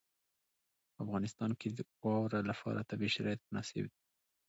په افغانستان کې د واوره لپاره طبیعي شرایط مناسب دي.